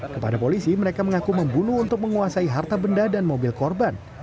kepada polisi mereka mengaku membunuh untuk menguasai harta benda dan mobil korban